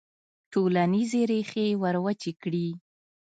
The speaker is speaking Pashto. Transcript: ټولنیزې ریښې وروچې کړي.